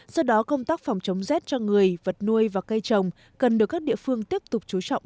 do đó công tác phòng chống rét cho người vật nuôi và cây trồng cần được các địa phương tiếp tục chú trọng